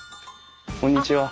こんにちは。